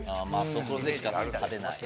そこでしか食べない。